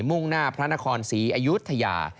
มุ่งหน้าพระนครศรีอยุธยา